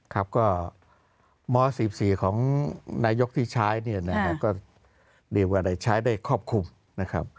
ครับก็หม้อ๑๔ของนายกที่ใช้เนี่ยนะครับก็เรียกว่าใช้ได้ควบคุมนะครับ